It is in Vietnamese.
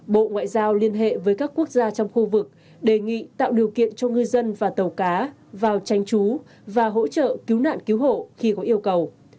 bộ ngoại giao liên hệ với các quốc gia trong khu vực đề nghị tạo điều kiện cho ngư dân và tàu cá vào tranh trú và hỗ trợ cứu nạn cứu hộ khi có yêu cầu